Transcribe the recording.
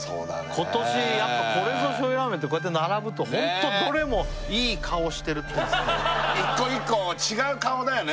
今年やっぱこれぞ醤油ラーメンってこうやって並ぶとホントどれもいい顔してる一個一個違う顔だよね